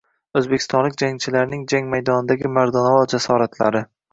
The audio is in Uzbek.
O‘zbekistonlik jangchilarning jang maydonidagi mardonavor jasoratlari